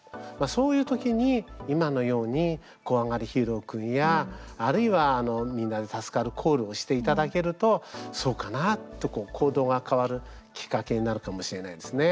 そういうときに、今のようにこわがりヒーロー君やあるいはみんなで助かるコールをしていただけると、そうかなと行動が変わるきっかけになるかもしれないですね。